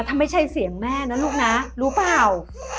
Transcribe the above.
ถ้าไม่ใช่เสียงแม่นะลูกนะรู้เปล่า